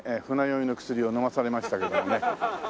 船酔いの薬を飲まされましたけどもね。